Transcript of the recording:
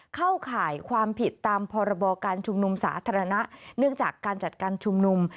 เข้าข่ายความผิดตามพรบการชุมนุมสาธารณะเนื่องจากการจัดการชุมนุม